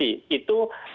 itu harus diperhatikan